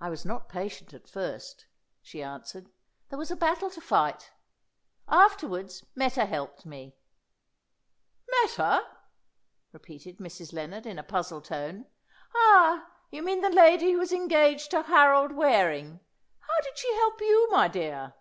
"I was not patient at first," she answered. "There was a battle to fight. Afterwards, Meta helped me." "Meta?" repeated Mrs. Lennard in a puzzled tone. "Ah, you mean the lady who was engaged to Harold Waring. How did she help you, my dear?"